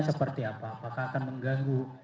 seperti apa apakah akan mengganggu